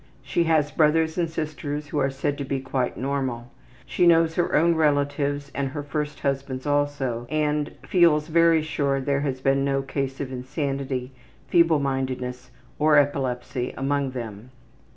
She has brothers and sisters who are said to be quite normal. She knows her own relatives and her first husband's, also, and feels very sure there has been no case of insanity, feeblemindedness, or epilepsy among them.